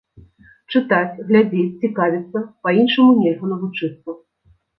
Чытаць, глядзець, цікавіцца, па-іншаму нельга навучыцца!